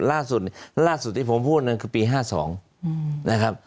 ล่าสุดที่ผมพูดเนี่ยคือปี๕๒นะครับ